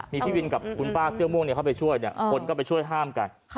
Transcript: มีพี่วินกับคุณป้าเสื้อม่วงเข้าไปช่วยคนก็ไปช่วยห้ามกัน